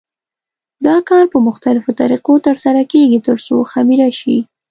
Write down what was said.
دا کار په مختلفو طریقو تر سره کېږي ترڅو خمېره شي.